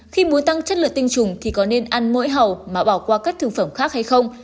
khi muốn tăng chất lượng tinh trùng thì có nên ăn mỗi hầu mà bỏ qua các thương phẩm khác hay không